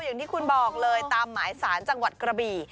อย่างที่คุณบอกเลยตามหมายสารจังหวัดกระบี่